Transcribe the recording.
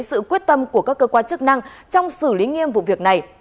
sự quyết tâm của các cơ quan chức năng trong xử lý nghiêm vụ việc này